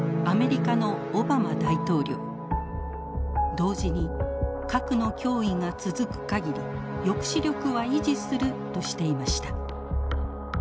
同時に核の脅威が続く限り抑止力は維持するとしていました。